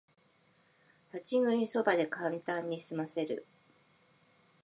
立ち食いそばでカンタンにすませる